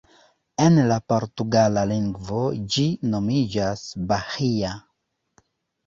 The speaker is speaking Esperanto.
En la portugala lingvo, ĝi nomiĝas "Bahia".